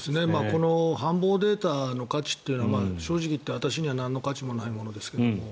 この繁忙データの価値というのは正直に言って私にはなんの価値もないものですけど